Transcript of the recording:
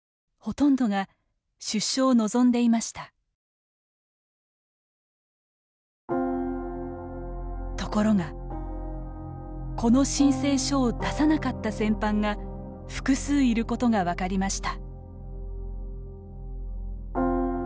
ところが、この申請書を出さなかった戦犯が複数いることが分かりました。